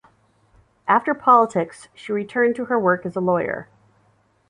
After politics, she returned to her work as a lawyer.